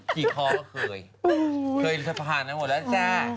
กี่คอก็เคยเคยผ่านไปหมดแล้วจ้า